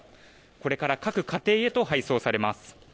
これから各家庭へと配送されます。